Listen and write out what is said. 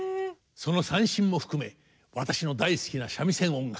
その三線も含め私の大好きな三味線音楽